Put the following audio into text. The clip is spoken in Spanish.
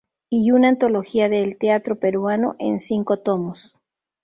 Y una antología del teatro peruano, en cinco tomos.